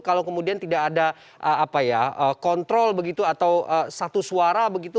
kalau kemudian tidak ada kontrol begitu atau satu suara begitu